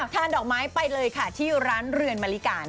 ทานดอกไม้ไปเลยค่ะที่ร้านเรือนมาริกานะครับ